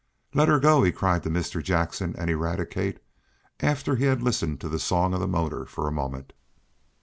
"Let her go!" he cried to Mr. Jackson and Eradicate, after he had listened to the song of the motor for a moment.